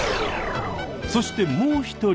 そしてもう一人。